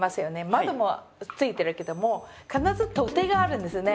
窓もついてるけども必ず取っ手があるんですよね。